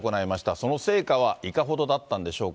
その成果はいかほどだったんでしょうか。